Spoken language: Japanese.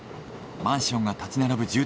マンションが立ち並ぶ